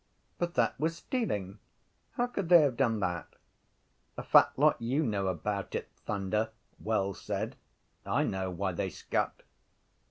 —But that was stealing. How could they have done that? —A fat lot you know about it, Thunder! Wells said. I know why they scut.